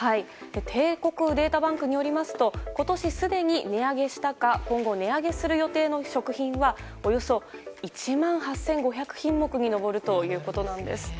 帝国データバンクによりますと今年すでに値上げしたか今後値上げする予定の食品はおよそ１万８５００品目に上るということなんです。